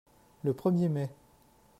Le premier mai.